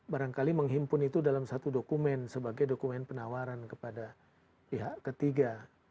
barangkali menghimpun itu dalam satu dokumen sebagai dokumen penawaran kepada pihak ketiga